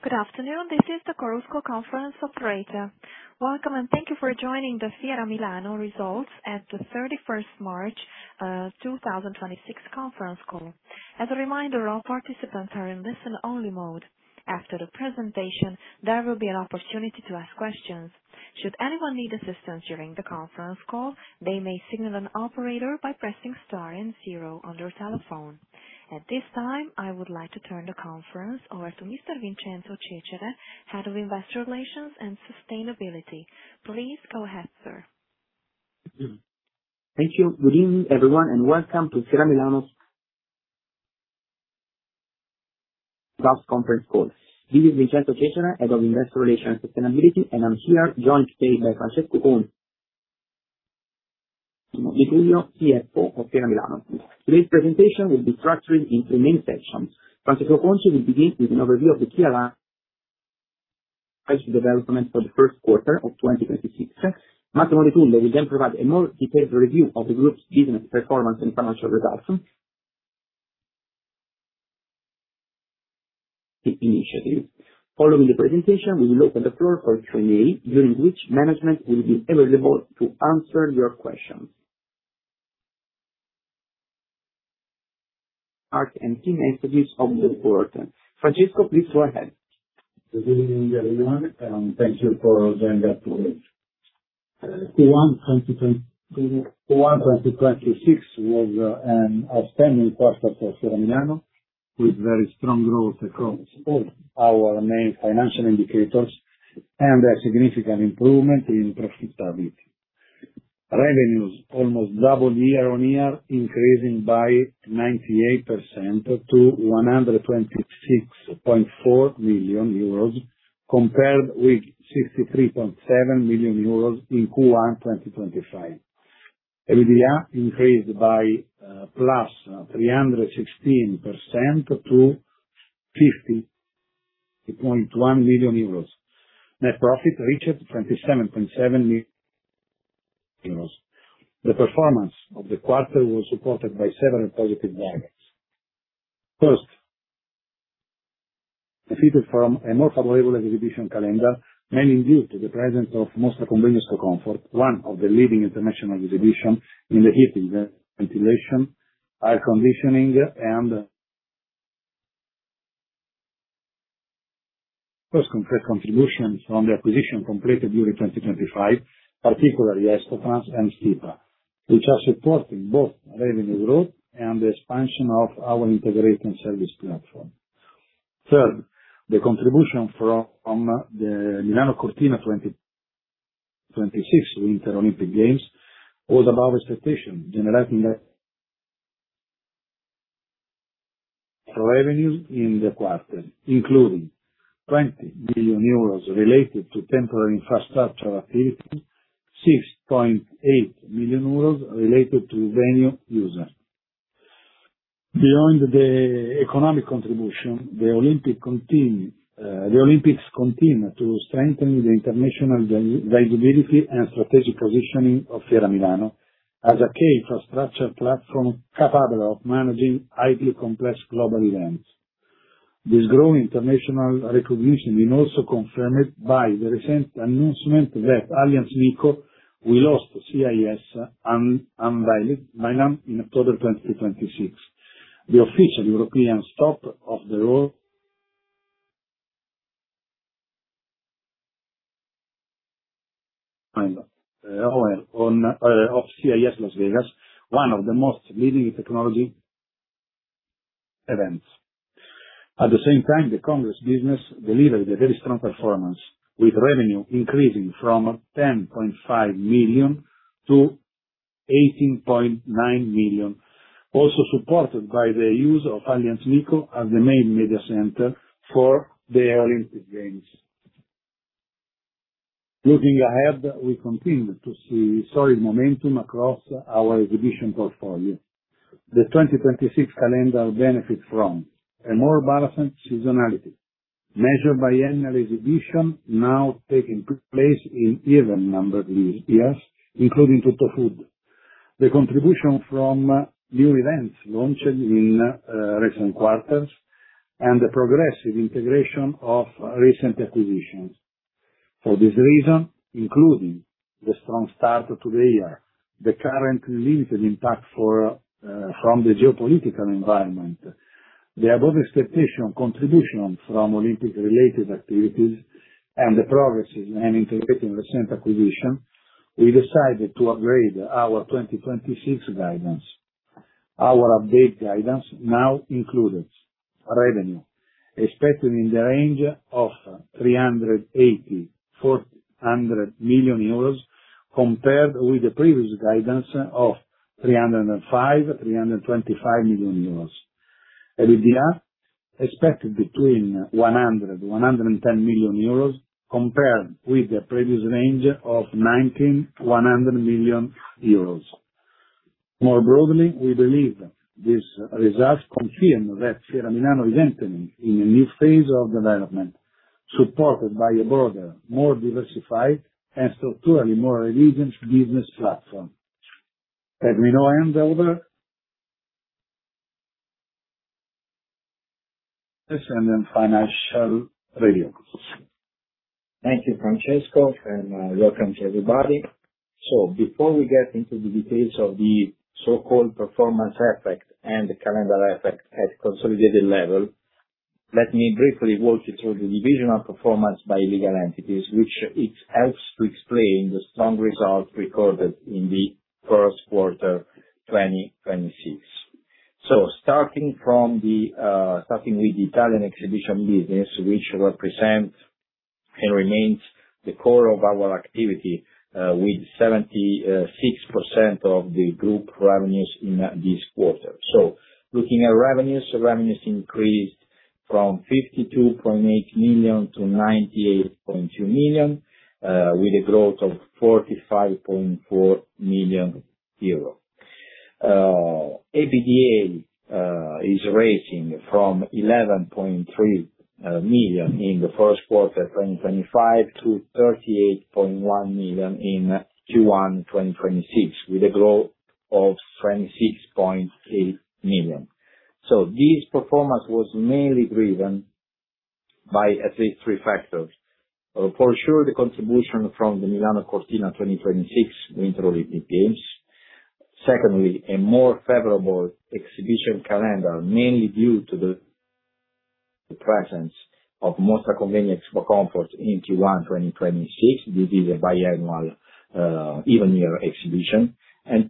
Good afternoon. This is the Chorus Call conference operator. Welcome and thank you for joining the Fiera Milano results at the 31st March 2026 conference call. As a reminder, all participants are in listen-only mode. After the presentation, there will be an opportunity to ask questions. Should anyone need assistance during the conference call, they may signal an operator by pressing star and zero on their telephone. At this time, I would like to turn the conference over to Mr. Vincenzo Cecere, Head of Investor Relations and Sustainability. Please go ahead, sir. Thank you. Good evening, everyone, and welcome to Fiera Milano's last conference call. This is Vincenzo Cecere, Head of Investor Relations and Sustainability, and I'm here joined today by Francesco Conci. Massimo De Tullio, CFO of Fiera Milano. Today's presentation will be structured in three main sections. Francesco Conci will begin with an overview of the key highlights for the first quarter of 2026. Massimo De Tullio will then provide a more detailed review of the group's business performance and financial results initiative. Following the presentation, we will open the floor for Q&A, during which management will be available to answer your questions. Francesco, please go ahead. Good evening, everyone, and thank you for joining us today. Q1 2026 was an outstanding quarter for Fiera Milano, with very strong growth across all our main financial indicators and a significant improvement in profitability. Revenues almost doubled year-on-year, increasing by 98% to 126.4 million euros, compared with 63.7 million euros in Q1 2025. EBITDA increased by +316% to 50.1 million euros. Net profit reached 27.7 million euros. The performance of the quarter was supported by several positive drivers. First, from a more favorable exhibition calendar, mainly due to the presence of Mostra Convegno Expocomfort, one of the leading international exhibition in the heating, ventilation, air conditioning and first concrete contributions from the acquisition completed during 2025, particularly Expotrans and Stipa, which are supporting both revenue growth and the expansion of our integration service platform. Third, the contribution from the Milano Cortina 2026 Winter Olympic Games was above expectation, generating the revenue in the quarter, including 20 billion euros related to temporary infrastructure activities, 6.8 million euros related to venue users. Beyond the economic contribution, the Olympics continue to strengthen the international valuability and strategic positioning of Fiera Milano as a key infrastructure platform capable of managing highly complex global events. This growing international recognition been also confirmed by the recent announcement that Allianz MiCo will host CES Unveiled Milan in October 2026, the official European stop of CES Las Vegas, one of the most leading technology events. At the same time, the Congress business delivered a very strong performance, with revenue increasing from 10.5 million to 18.9 million, also supported by the use of Allianz MiCo as the main media center for the Olympic Games. Looking ahead, we continue to see solid momentum across our exhibition portfolio. The 2026 calendar benefits from a more balanced seasonality, measured by annual exhibition now taking place in even numbered years, including TUTTOFOOD, the contribution from new events launched in recent quarters, and the progressive integration of recent acquisitions. For this reason, including the strong start to the year, the current limited impact from the geopolitical environment, the above-expectation contribution from Olympic-related activities and the progress in integrating recent acquisition, we decided to upgrade our 2026 guidance. Our updated guidance now includes revenue expected in the range of 380 million-400 million euros, compared with the previous guidance of 305 million-325 million euros. EBITDA expected between 100 million-110 million euros compared with the previous range of 90 million-100 million euros. More broadly, we believe these results confirm that Fiera Milano is entering in a new phase of development, supported by a broader, more diversified and structurally more resilient business platform. Financial review. Thank you, Francesco, and welcome to everybody. Before we get into the details of the so-called performance effect and the calendar effect at consolidated level, let me briefly walk you through the divisional performance by legal entities, which it helps to explain the strong results recorded in the first quarter 2026. Starting with the Italian exhibition business, which represents and remains the core of our activity, with 76% of the group revenues in this quarter. Looking at revenues. Revenues increased from 52.8 million to 98.2 million, with a growth of 45.4 million euro. EBITDA is rising from 11.3 million in the first quarter 2025 to 38.1 million in Q1 2026, with a growth of 26.3 million. This performance was mainly driven by at least three factors. For sure, the contribution from the Milano Cortina 2026 Winter Olympic Games. Secondly, a more favorable exhibition calendar, mainly due to the presence of Mostra Convegno Expocomfort in Q1 2026. This is a biannual, even year exhibition.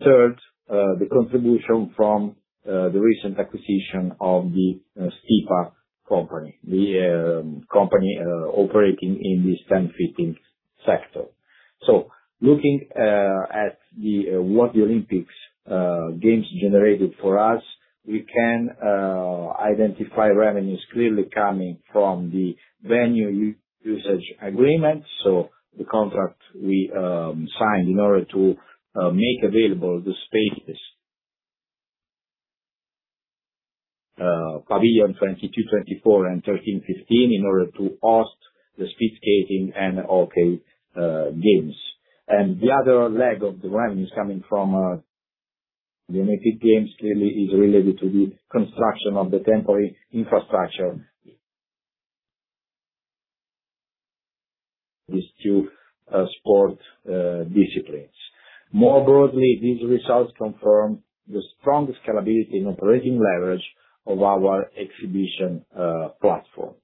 Third, the contribution from the recent acquisition of the Stipa company. The company operating in the stand fitting sector. Looking at what the Olympics Games generated for us, we can identify revenues clearly coming from the venue usage agreement. The contract we signed in order to make available the spaces, pavilion 22, 24 and 13, 15, in order to host the speed skating and hockey games. The other leg of the revenues coming from the Olympic Games clearly is related to the construction of the temporary infrastructure winter sport disciplines. More broadly, these results confirm the strong scalability and operating leverage of our exhibition platform.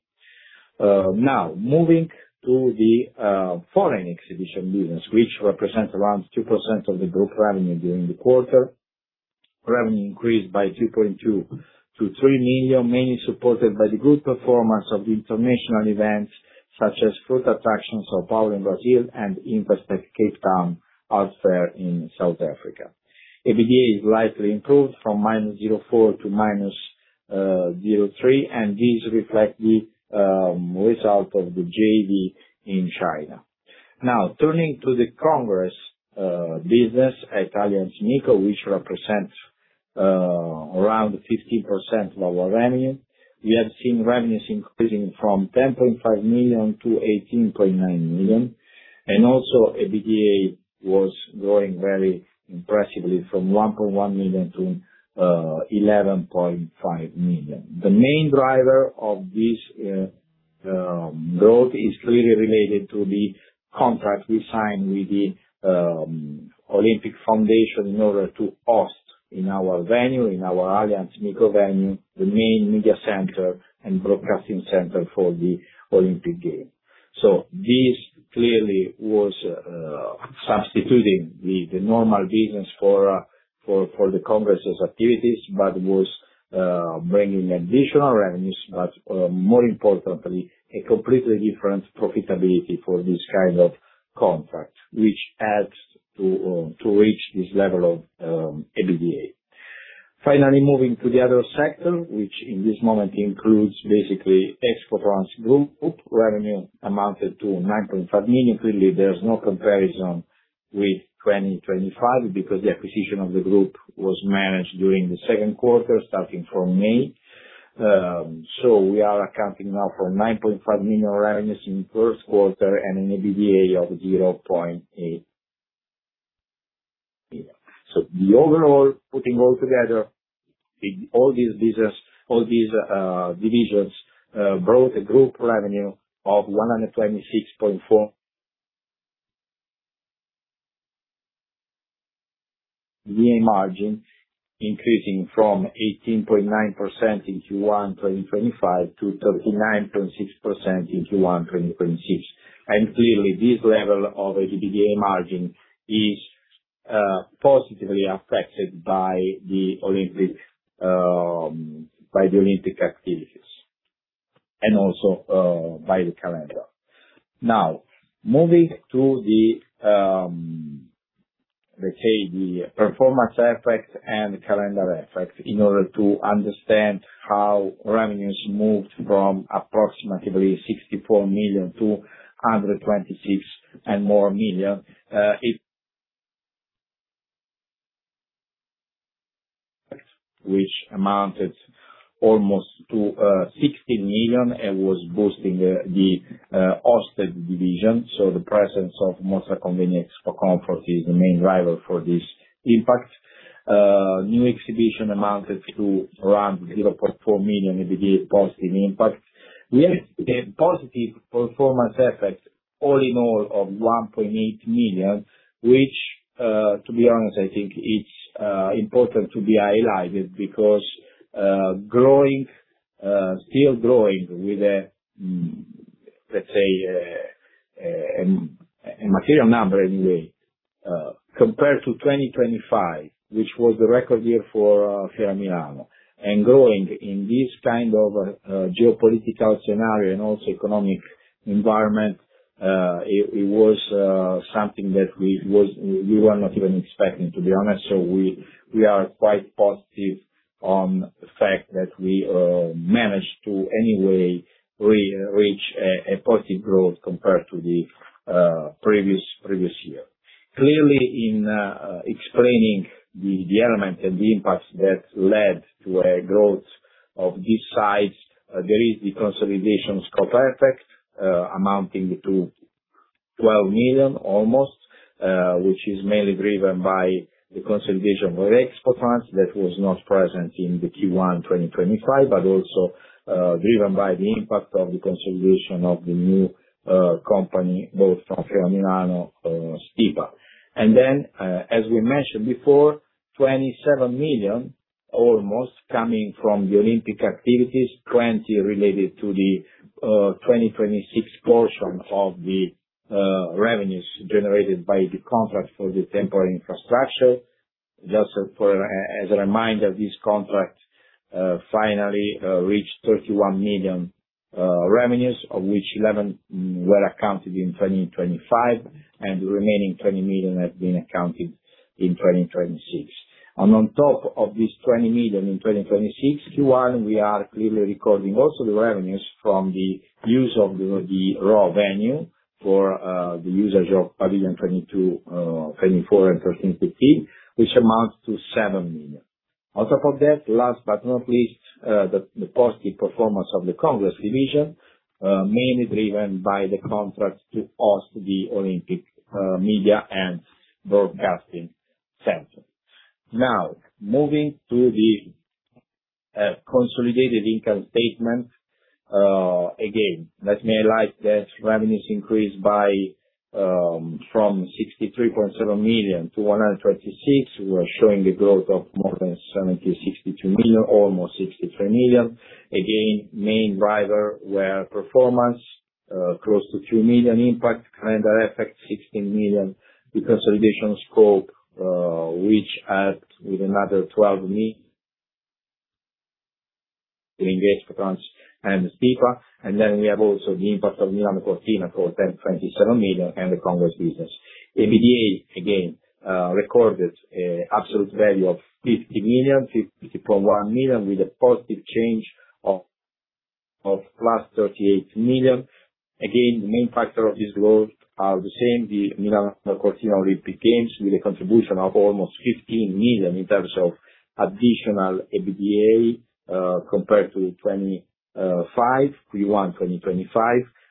Now moving to the foreign exhibition business, which represents around 2% of the group revenue during the quarter. Revenue increased by 2.2 million-3 million, mainly supported by the good performance of the international events such as Fruit Attraction São Paulo in Brazil and Investec Cape Town Art Fair in South Africa. EBITDA is slightly improved from -0.4 to -0.3, and this reflect the result of the JV in China. Now, turning to the Congress business, Allianz MiCo, which represents around 15% of our revenue. We have seen revenues increasing from 10.5 million to 18.9 million, and also EBITDA was growing very impressively from 1.1 million to 11.5 million. The main driver of this growth is clearly related to the contract we signed with the Fondazione Milano Cortina 2026 in order to host in our venue, in our Allianz MiCo venue, the main media center and broadcasting center for the Milano Cortina 2026. This clearly was substituting with the normal business for the congress' activities, but was bringing additional revenues, but more importantly, a completely different profitability for this kind of contract, which helped to reach this level of EBITDA. Finally, moving to the other sector, which in this moment includes basically Expotrans Group, revenue amounted to 9.5 million. Clearly, there's no comparison with 2025 because the acquisition of the group was managed during the second quarter, starting from May. We are accounting now for 9.5 million revenues in first quarter and an EBITDA of 0.8 million. The overall, putting all together, all these business, all these divisions, brought a group revenue of 126.4 million. The margin increasing from 18.9% in Q1 2025 to 39.6% in Q1 2026. Clearly, this level of EBITDA margin is positively affected by the Olympic, by the Olympic activities and also by the calendar. Now, moving to the, let's say the performance effect and calendar effect in order to understand how revenues moved from approximately 64 million to 126 million and more. Which amounted almost to 60 million and was boosting the hosted division. The presence of Mostra Convegno Expocomfort is the main driver for this impact. New exhibition amounted to around 0.4 million. It gave positive impact. We have a positive performance effect all in all of 1.8 million, which, to be honest, I think it's important to be highlighted because growing, still growing with a, let's say, a material number anyway, compared to 2025, which was the record year for Fiera Milano. Growing in this kind of geopolitical scenario and also economic environment, it was something that we were not even expecting, to be honest. We are quite positive on the fact that we managed to anyway re-reach a positive growth compared to the previous year. Clearly, in explaining the element and the impacts that led to a growth of this size, there is the consolidation scope effect, amounting to 12 million almost, which is mainly driven by the consolidation with Expotrans that was not present in the Q1 2025, but also driven by the impact of the consolidation of the new company both from Fiera Milano, Stipa. As we mentioned before, 27 million almost coming from the Olympic activities, currently related to the 2026 portion of the revenues generated by the contract for the temporary infrastructure. Just as a reminder, this contract finally reached 31 million revenues, of which 11 were accounted in 2025, and the remaining 20 million have been accounted in 2026. On top of this 20 million in 2026 Q1, we are clearly recording also the revenues from the use of the Rho venue for the users of pavilion 22, 24 and 13, 15, which amounts to 7 million. On top of that, last but not least, the positive performance of the Congress division, mainly driven by the contract to host the Olympic media and broadcasting center. Now, moving to the consolidated income statement. Again, let me highlight that revenues increased from 63.7 million to 126 million. We are showing a growth of more than 70 million 62 million, almost 63 million. Again, main driver were performance, close to 2 million impact, calendar effect 16 million. The consolidation scope, which at with another 12 million the investment funds and Stipa. Then we have also the impact of Milano Cortina for 10.7 million and the Congress business. EBITDA again recorded an absolute value of 50 million, 50.1 million with a positive change of +38 million. The main factor of this growth are the same, the Milano Cortina Olympic Games with a contribution of almost 15 million in terms of additional EBITDA compared to Q1 2025.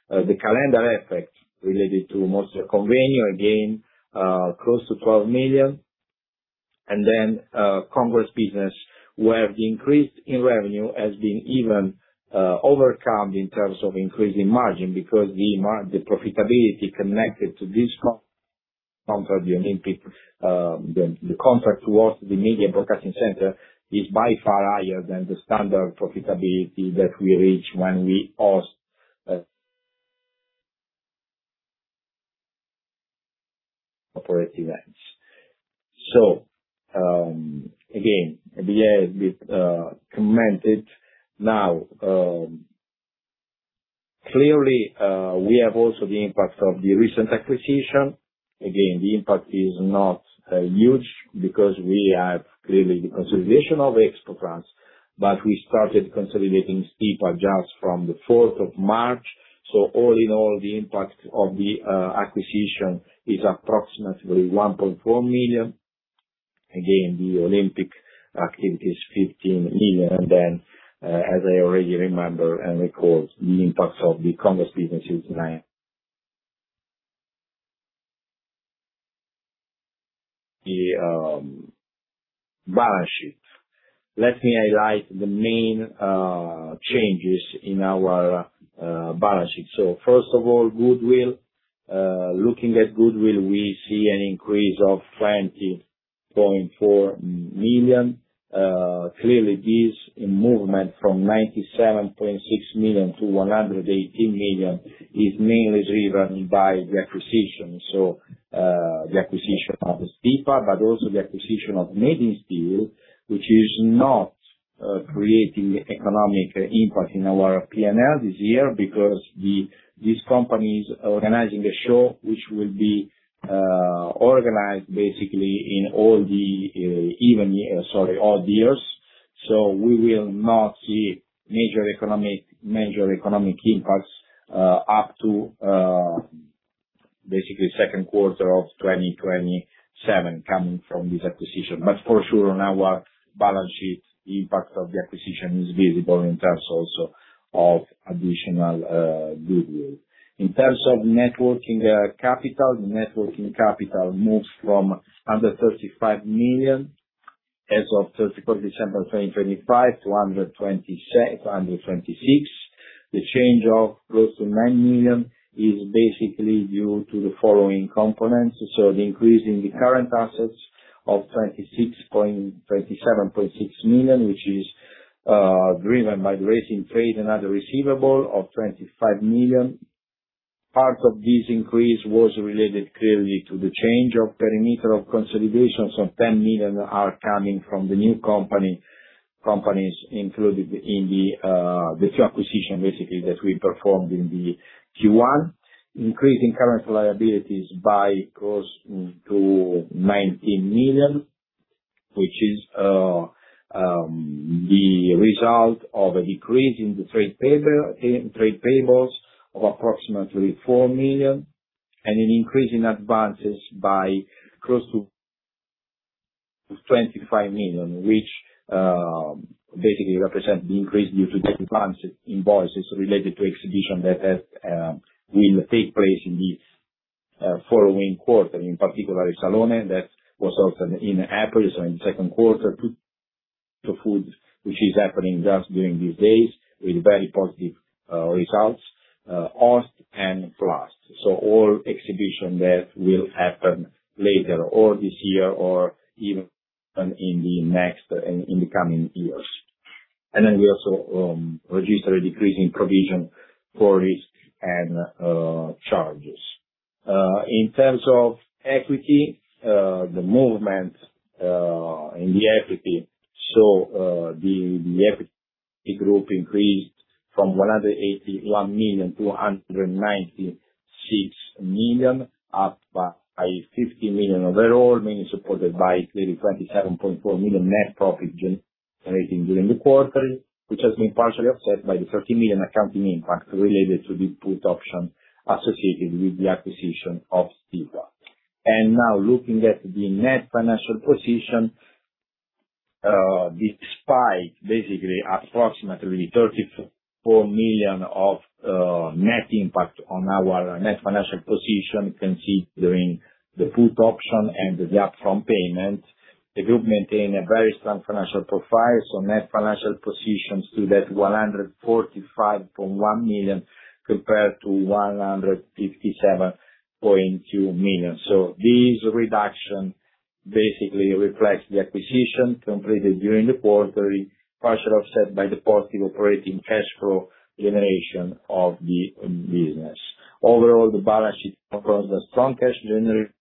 The calendar effect related to Mostra Convegno again, close to 12 million. Then Congress business, where the increase in revenue has been even overcome in terms of increasing margin because the profitability connected to this contract, the Olympic, the contract towards the media broadcasting center is by far higher than the standard profitability that we reach when we host operate events. Again, EBITDA has been commented. Clearly, we have also the impact of the recent acquisition. Again, the impact is not huge because we have clearly the consolidation of the Expotrans, but we started consolidating Stipa just from the 4th of March. All in all, the impact of the acquisition is approximately 1.4 million. Again, the Olympic activities, 15 million. As I already remember and recall, the impact of the Congress business is 9 million. The balance sheet. Let me highlight the main changes in our balance sheet. First of all, goodwill. Looking at goodwill, we see an increase of 20.4 million. Clearly, this movement from 97.6 million to 118 million is mainly driven by the acquisition. The acquisition of Stipa, but also the acquisition of Made in Steel, which is not creating economic impact in our P&L this year because this company is organizing a show which will be organized basically in all the even years. Sorry, odd years. We will not see major economic impacts up to basically second quarter of 2027 coming from this acquisition. For sure on our balance sheet, impact of the acquisition is visible in terms also of additional goodwill. In terms of networking capital, the networking capital moves from under 35 million as of 31st December 2025 to 126 million. The change of close to 9 million is basically due to the following components. The increase in the current assets of 26.276 million, which is driven by the raise in trade and other receivable of 25 million. Part of this increase was related clearly to the change of perimeter of consolidation, 10 million are coming from the new companies included in the two acquisition basically that we performed in the Q1. Increase in current liabilities by close to 19 million, which is the result of a decrease in the trade payables of approximately 4 million and an increase in advances by close to 25 million, which basically represent the increase due to debt advances invoices related to exhibition that will take place in the following quarter, in particular Salone that was also in April, so in second quarter TUTTOFOOD, which is happening just during these days with very positive results, Host and Plast. All exhibition that will happen later or this year or even in the coming years. We also registered a decrease in provision for risk and charges. In terms of equity, the movement in the equity. The equity group increased from 181 million to 196 million, up by 50 million overall, mainly supported by clearly 27.4 million net profit generating during the quarter, which has been partially offset by the 30 million accounting impact related to the put option associated with the acquisition of Stipa. Looking at the net financial position, despite basically approximately 34 million of net impact on our net financial position considering the put option and the upfront payment, the group maintain a very strong financial profile. Net financial position stood at 145.1 million compared to 157.2 million. This reduction basically reflects the acquisition completed during the quarter, partially offset by the positive operating cash flow generation of the business. Overall, the balance sheet across the strong cash generation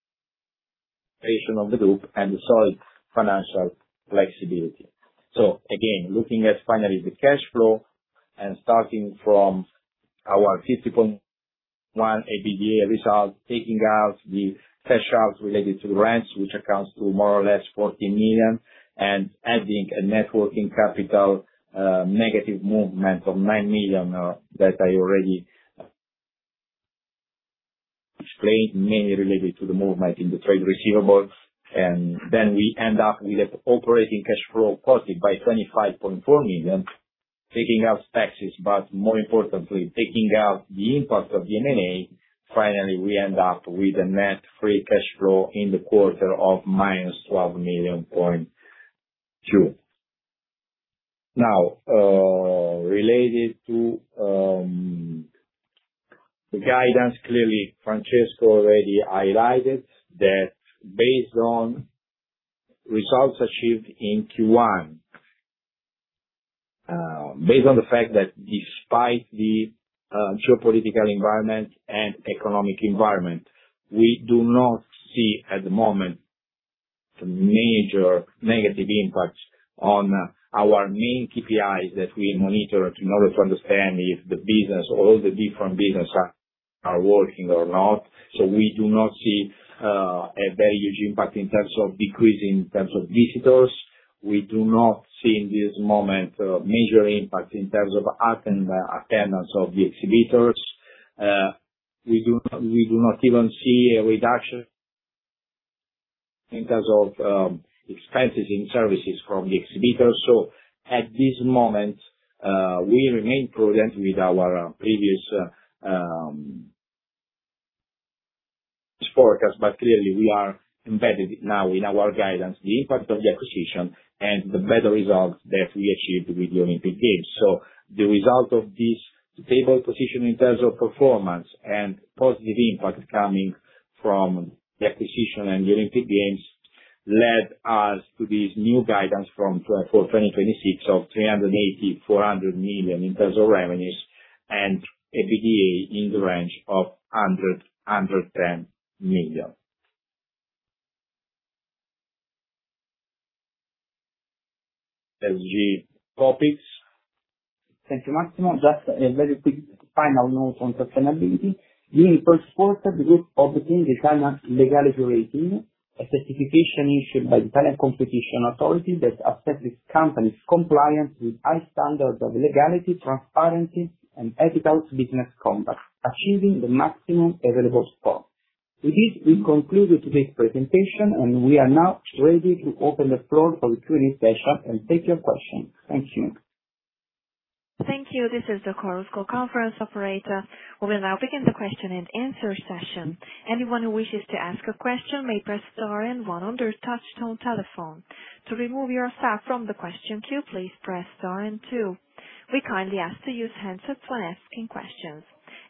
of the group and the solid financial flexibility. Again, looking at finally the cash flow and starting from our 50.1 EBITDA result, taking out the cash outs related to rents, which accounts to more or less 14 million and adding a net working capital negative movement of 9 million that I already explained, mainly related to the movement in the trade receivables. Then we end up with an operating cash flow positive by 25.4 million, taking out taxes, but more importantly, taking out the impact of the M&A, finally, we end up with a net free cash flow in the quarter of -12.2 million. Now, related to the guidance, clearly Francesco already highlighted that based on results achieved in Q1, based on the fact that despite the geopolitical environment and economic environment, we do not see at the moment a major negative impact on our main KPIs that we monitor in order to understand if the business or all the different business are working or not. We do not see a very huge impact in terms of decrease in terms of visitors. We do not see in this moment a major impact in terms of attendance of the exhibitors. We do not even see a reduction in terms of expenses in services from the exhibitors. At this moment, we remain prudent with our previous forecast, but clearly we are embedded now in our guidance, the impact of the acquisition and the better results that we achieved with the Olympic Games. The result of this stable position in terms of performance and positive impact coming from the acquisition and the Olympic Games led us to this new guidance for 2026 of 380 million-400 million in terms of revenues and EBITDA in the range of 100 million-110 million. ESG Topics. Thank you, Massimo. Just a very quick final note on sustainability. Being first quarter, the group published in the Italian Legality Rating, a certification issued by the Italian Competition Authority that asserts this company's compliance with high standards of legality, transparency and ethical business conduct, achieving the maximum available score. With this, we conclude today's presentation, and we are now ready to open the floor for the Q&A session and take your questions. Thank you. Thank you. We will now begin the question-and-answer session. Anyone who wishes to ask a question may press star and one on their touchtone telephone. To remove yourself from the question queue, please press star and two. We kindly ask to use handset when asking questions.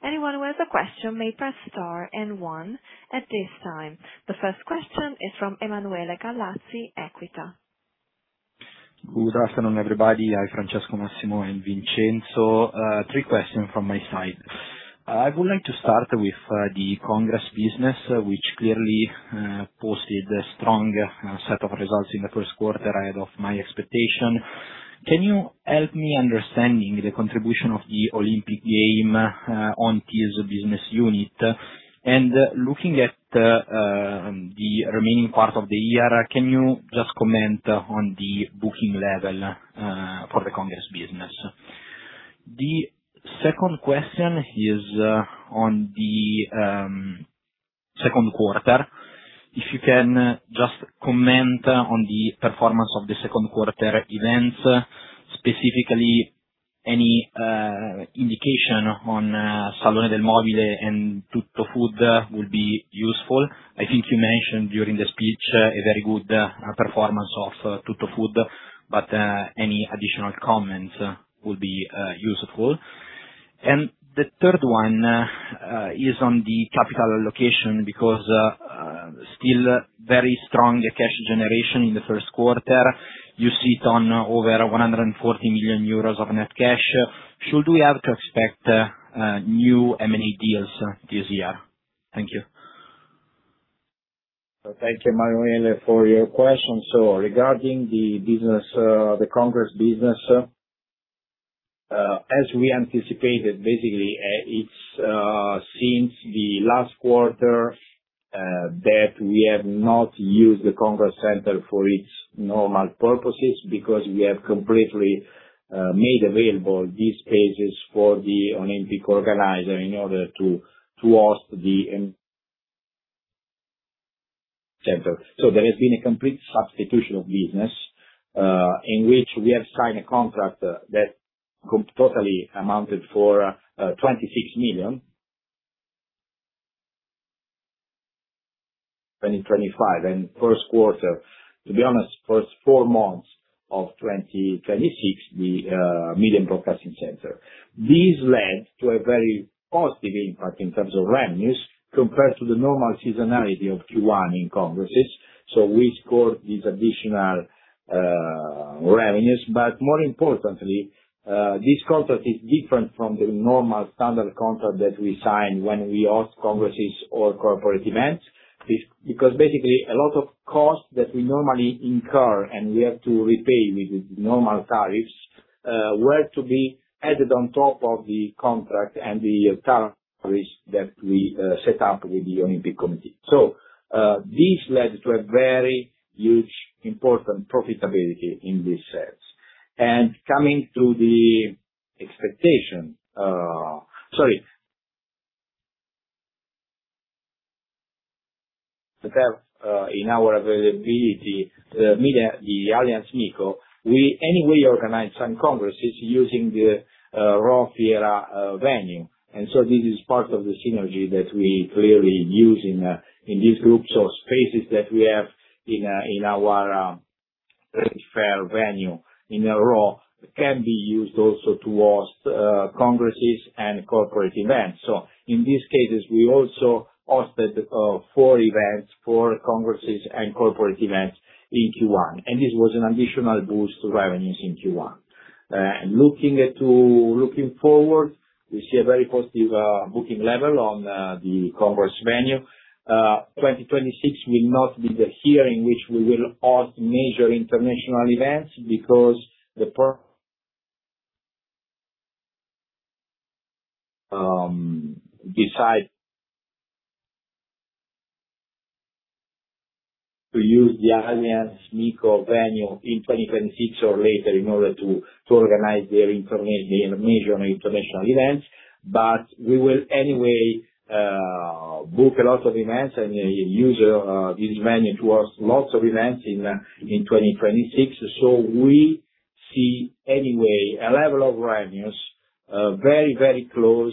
Anyone who has a question may press star and one at this time. The first question is from Emanuele Gallazzi, Equita. Good afternoon, everybody. I have Francesco, Massimo and Vincenzo. Three questions from my side. I would like to start with the Congress business, which clearly posted a strong set of results in the 1st quarter ahead of my expectation. Can you help me understanding the contribution of the Olympic game on tiers of business unit? Looking at the remaining part of the year, can you just comment on the booking level for the Congress business? The 2nd question is on the 2nd quarter. If you can just comment on the performance of the 2nd quarter events, specifically any indication on Salone del Mobile and TUTTOFOOD would be useful. I think you mentioned during the speech a very good performance of TUTTOFOOD, but any additional comments would be useful. The third one is on the capital allocation because, still very strong cash generation in the first quarter. You sit on over 140 million euros of net cash. Should we have to expect new M&A deals this year? Thank you. Thank you, Emanuele, for your questions. Regarding the Congress business, as we anticipated, basically, it's since the last quarter that we have not used the Congress center for its normal purposes because we have completely made available these spaces for the Olympic organizer in order to host the center. There has been a complete substitution of business in which we have signed a contract that totally amounted for EUR 26 million. 2025, and first quarter, to be honest, first four months of 2026, the media broadcasting center. This led to a very positive impact in terms of revenues compared to the normal seasonality of Q1 in congresses. We scored these additional revenues. More importantly, this contract is different from the normal standard contract that we sign when we host congresses or corporate events. Because basically a lot of costs that we normally incur, and we have to repay with normal tariffs, were to be added on top of the contract and the tariffs that we set up with the Olympic Committee. This led to a very huge important profitability in this sense. Coming to the expectation, Sorry. That, in our availability, the Allianz MiCo, we anyway organize some congresses using the Rho Fiera venue. This is part of the synergy that we clearly use in these groups of spaces that we have in our trade fair venue in Rho, can be used also to host congresses and corporate events. In these cases, we also hosted four events, four congresses and corporate events in Q1, and this was an additional boost to revenues in Q1. Looking forward, we see a very positive booking level on the congress venue. 2026 will not be the year in which we will host major international events because decide to use the Allianz MiCo venue in 2026 or later in order to organize their major international events. We will anyway book a lot of events and use this venue to host lots of events in 2026. We see anyway a level of revenues very, very close,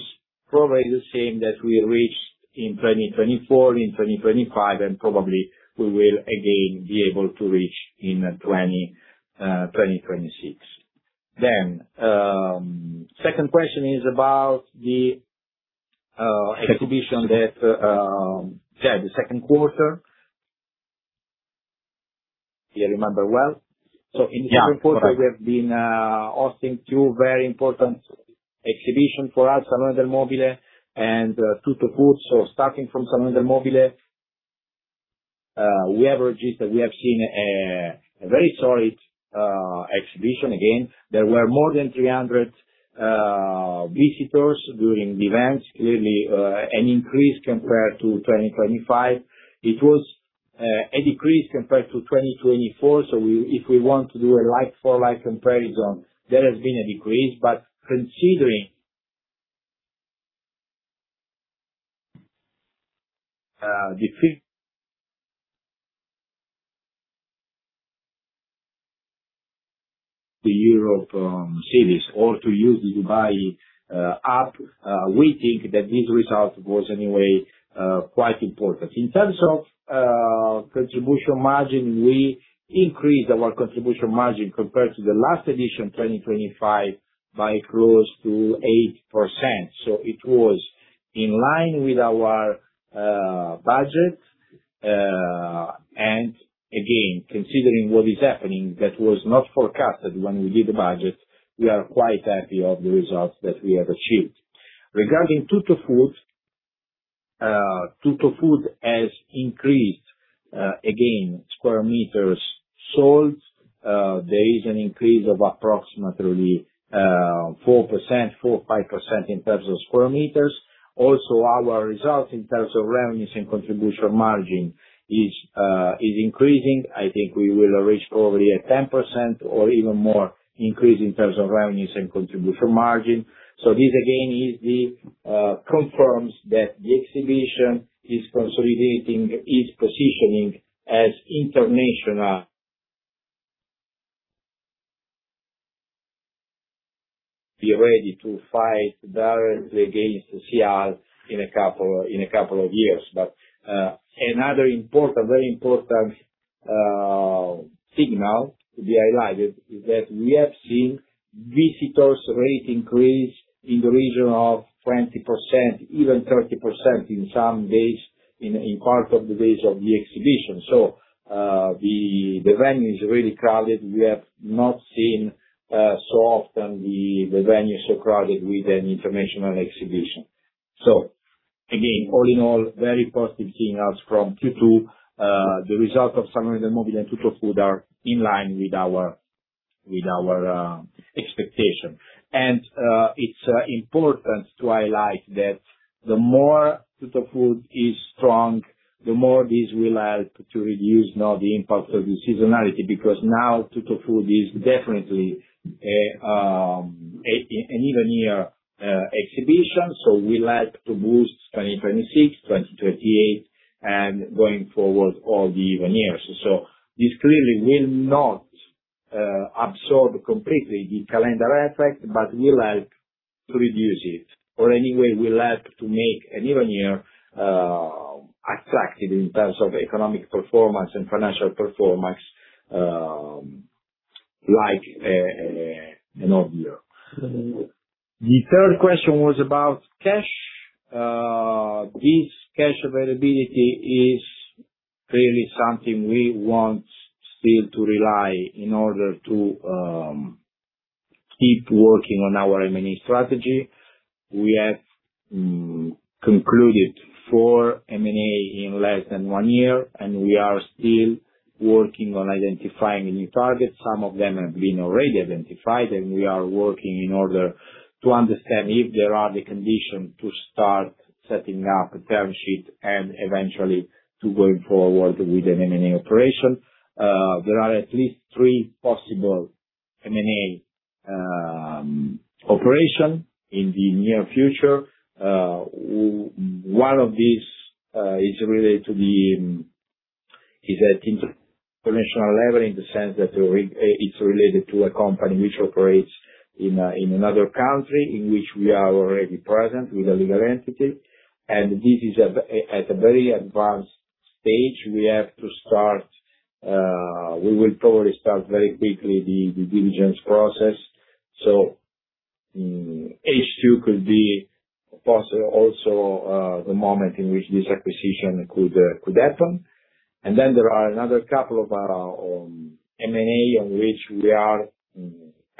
probably the same that we reached in 2024, in 2025, and probably we will again be able to reach in 2026. Second question is about the exhibition that, yeah, the second quarter. You remember well. Yeah. In the second quarter, we have been hosting 2 very important exhibition for us, Salone del Mobile and TUTTOFOOD. Starting from Salone del Mobile, we have seen a very solid exhibition again. There were more than 300 visitors during events, clearly an increase compared to 2025. It was a decrease compared to 2024. If we want to do a like-for-like comparison, there has been a decrease. Considering the three the Europe cities or to use Dubai hub, we think that this result was anyway quite important. In terms of contribution margin, we increased our contribution margin compared to the last edition, 2025, by close to 8%. It was in line with our budget. Again, considering what is happening, that was not forecasted when we did the budget, we are quite happy of the results that we have achieved. Regarding TUTTOFOOD has increased, again, square meters sold. There is an increase of approximately 4%, 4%-5% in terms of square meters. Also, our results in terms of revenues and contribution margin is increasing. I think we will reach probably a 10% or even more increase in terms of revenues and contribution margin. This again is the, confirms that the exhibition is consolidating its positioning as international. Be ready to fight directly against SIAL in a couple of years. Another important, very important signal to be highlighted is that we have seen visitors rate increase in the region of 20%, even 30% in some days, in part of the days of the exhibition. The venue is really crowded. We have not seen so often the venue so crowded with an international exhibition. All in all, very positive signals from Q2. The result of Salone del Mobile and TUTTOFOOD are in line with our expectation. It's important to highlight that the more TUTTOFOOD is strong, the more this will help to reduce now the impact of the seasonality because now TUTTOFOOD is definitely an even year exhibition. We like to boost 2026, 2028, and going forward all the even years. This clearly will not absorb completely the calendar effect, but will help to reduce it or anyway will help to make an even year attractive in terms of economic performance and financial performance, like an odd year. The third question was about cash. This cash availability is really something we want still to rely in order to keep working on our M&A strategy. We have concluded four M&A in less than one year, and we are still working on identifying new targets. Some of them have been already identified, and we are working in order to understand if there are the condition to start setting up a term sheet and eventually to going forward with an M&A operation. There are at least 3 possible M&A operation in the near future. One of these is at international level in the sense that it's related to a company which operates in another country in which we are already present with a legal entity. This is at a very advanced stage. We will probably start very quickly the diligence process. H2 could be also the moment in which this acquisition could happen. There are another couple of M&A on which we are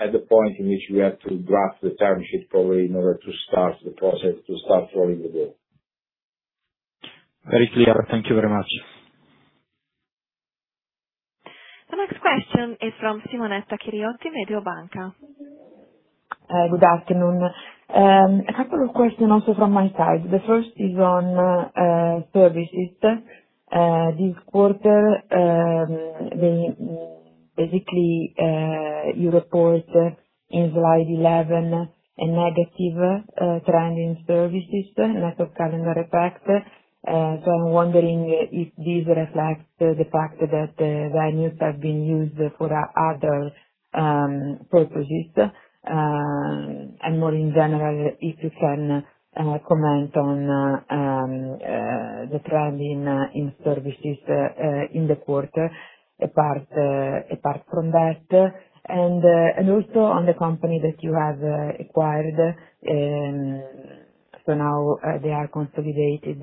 at the point in which we have to draft the term sheet probably in order to start rolling the deal. Very clear. Thank you very much. The next question is from Simonetta Chiriotti, Mediobanca. Good afternoon. A couple of questions also from my side. The first is on services. This quarter, basically, you report in slide 11 a negative trend in services net of calendar effect. I'm wondering if this reflects the fact that venues have been used for other purposes. More in general, if you can comment on the trend in services in the quarter apart from that. Also on the company that you have acquired. Now, they are consolidated,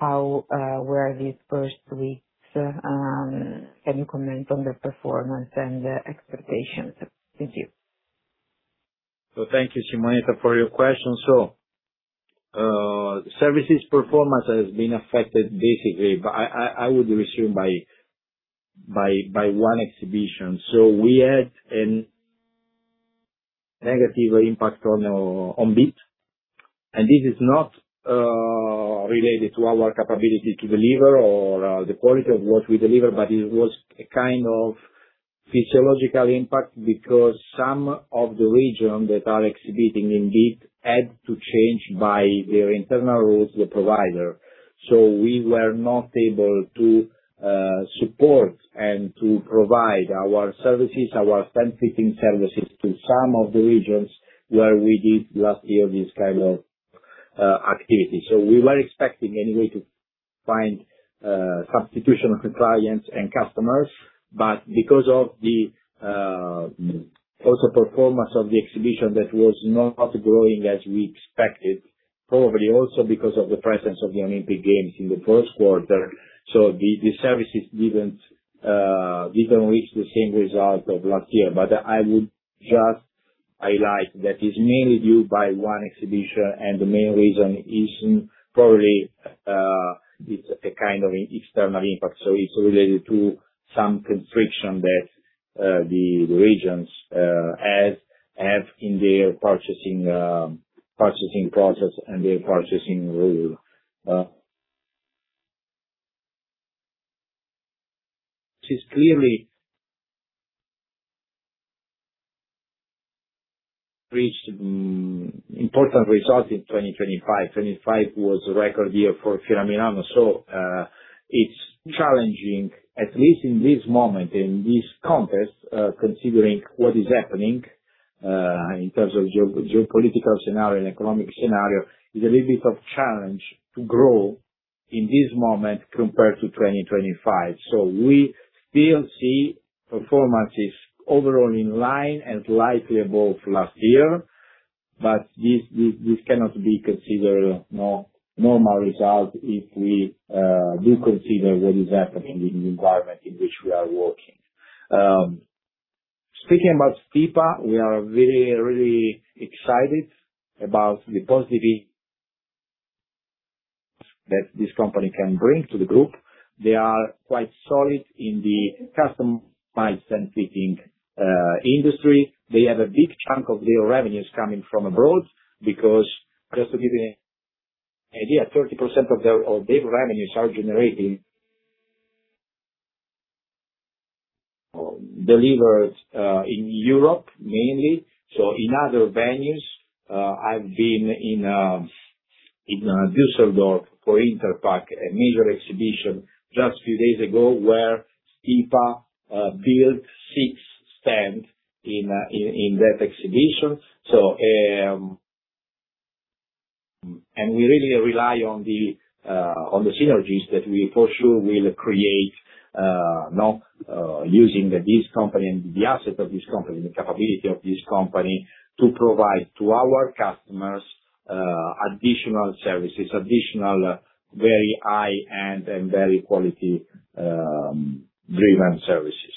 how were these first weeks, can you comment on the performance and expectations? Thank you. Thank you, Simonetta, for your question. Services performance has been affected basically, but I would resume by one exhibition. We had a negative impact on BIT. This is not related to our capability to deliver or the quality of what we deliver, but it was a kind of physiological impact because some of the regions that are exhibiting in BIT had to change by their internal rules, the provider. We were not able to support and to provide our services, our stand fitting services to some of the regions where we did last year this kind of activity. We were expecting anyway to find substitution of the clients and customers. Because of the also performance of the exhibition that was not growing as we expected, probably also because of the presence of the Olympic Games in the first quarter. The services didn't reach the same result of last year. I would just highlight that it's mainly due by one exhibition, and the main reason is probably it's a kind of external impact. It's related to some constriction that the regions have in their purchasing process and their purchasing rule. It is clearly reached important result in 2025. 2025 was a record year for Fiera Milano. It's challenging, at least in this moment, in this context, considering what is happening in terms of geopolitical scenario and economic scenario, is a little bit of challenge to grow in this moment compared to 2025. We still see performances overall in line and slightly above last year. This cannot be considered nor normal result if we do consider what is happening in the environment in which we are working. Speaking about Stipa, we are very, really excited about the positive that this company can bring to the group. They are quite solid in the customized and fitting industry. They have a big chunk of their revenues coming from abroad. Because just to give you an idea, 30% of their revenues are delivered in Europe mainly. In other venues, I've been in Düsseldorf for Interpack, a major exhibition just few days ago, where Stipa built six stands in that exhibition. We really rely on the synergies that we for sure will create using this company and the asset of this company, the capability of this company to provide to our customers, additional services, additional very high-end and very quality driven services.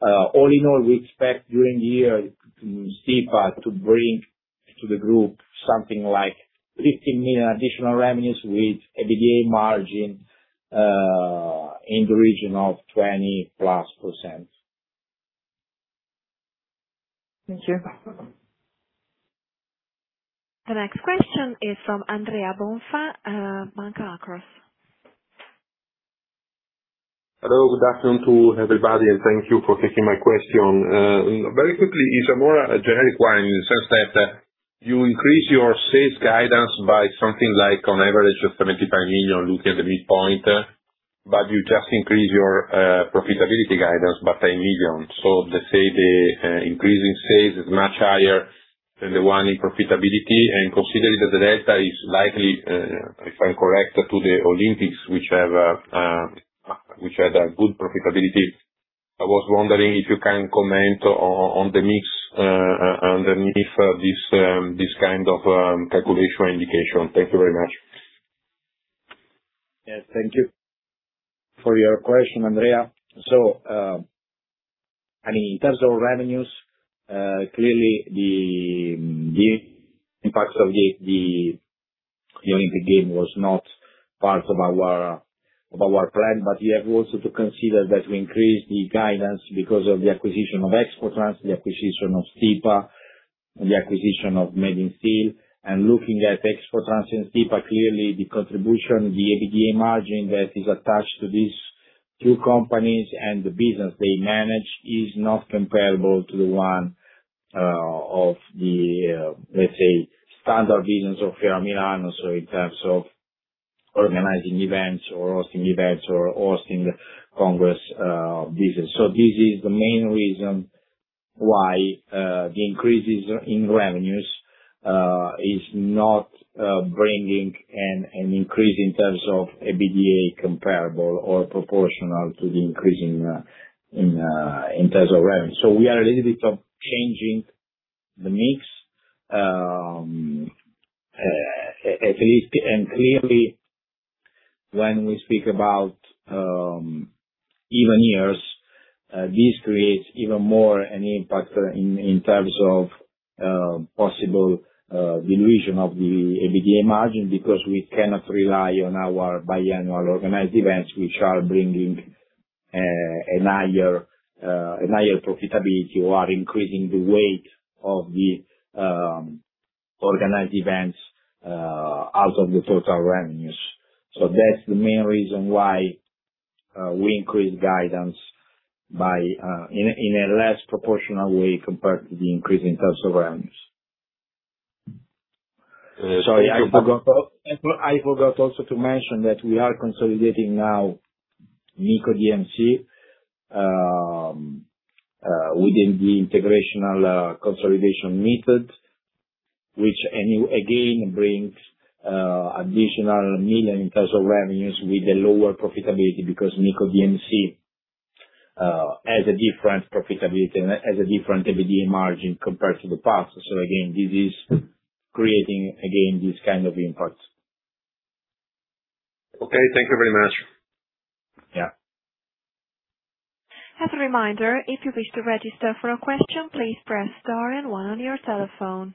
All in all, we expect during the year Stipa to bring to the group something like 15 million additional revenues with EBITDA margin in the region of 20%+. Thank you. The next question is from Andrea Bonfà, Banca Akros. Hello, good afternoon to everybody, and thank you for taking my question. Very quickly, it's a more generic one in the sense that you increase your sales guidance by something like on average of 75 million looking at the midpoint. You just increase your profitability guidance by 10 million. Let's say the increase in sales is much higher than the one in profitability. Considering that the data is likely, if I'm correct, to the Olympics, which had a good profitability. I was wondering if you can comment on the mix underneath this kind of calculation indication. Thank you very much. Yes, thank you for your question, Andrea Bonfà. In terms of revenues, clearly the impact of the Olympic Games was not part of our plan. You have also to consider that we increased the guidance because of the acquisition of Expotrans, the acquisition of Stipa, and the acquisition of Made in Steel. Looking at Expotrans and Stipa, clearly the contribution, the EBITDA margin that is attached to these two companies and the business they manage is not comparable to the one, let's say, standard business of Fiera Milano, in terms of organizing events or hosting events or hosting the congress business. This is the main reason why the increases in revenues is not bringing an increase in terms of EBITDA comparable or proportional to the increase in terms of revenue. We are a little bit of changing the mix, at least. Clearly, when we speak about even years, this creates even more an impact in terms of possible dilution of the EBITDA margin, because we cannot rely on our biannual organized events, which are bringing a higher profitability. We are increasing the weight of the organized events out of the total revenues. That's the main reason why we increased guidance by in a less proportional way compared to the increase in terms of revenues. Sorry, I forgot. I forgot also to mention that we are consolidating now MiCo DMC within the integrational consolidation method, which again, brings additional million in terms of revenues with a lower profitability because MiCo DMC has a different profitability and has a different EBITDA margin compared to the past. Again, this is creating again this kind of impact. Okay. Thank you very much. Yeah. As a reminder, if you wish to register for a question, please press star and one on your telephone.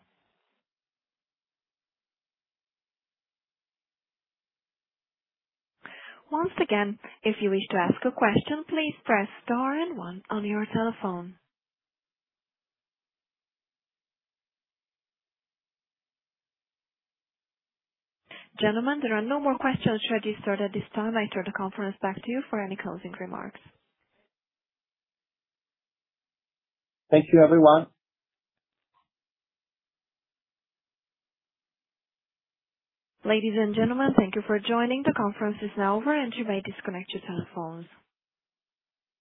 Once again, if you wish to ask a question, please press star and one on your telephone. Gentlemen, there are no more questions registered at this time. I turn the conference back to you for any closing remarks. Thank you, everyone. Ladies and gentlemen, thank you for joining. The conference is now over, and you may disconnect your telephones.